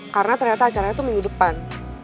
karena ternyata acaranya tuh minggu depan